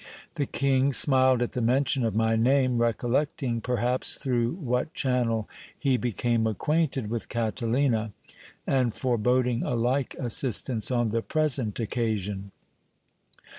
The king smiled at the mention of my name, recollecting, perhaps, through what channel he became acquainted with Catalina, and foreboding a like assistance on the present occasion.